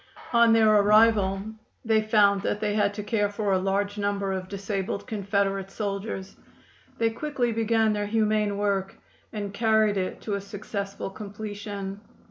On their arrival they found that they had to care for a large number of disabled Confederate soldiers. They quickly began their humane work and carried it to a successful completion.